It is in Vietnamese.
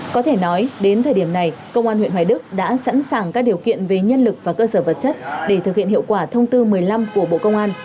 có thể nói đến thời điểm này công an huyện hoài đức đã sẵn sàng các điều kiện về nhân lực và cơ sở vật chất để thực hiện hiệu quả thông tư một mươi năm của bộ công an